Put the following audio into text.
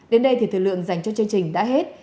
đến đây thì thời lượng dành cho chương trình đã hết